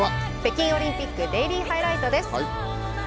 北京オリンピックデイリーハイライトです。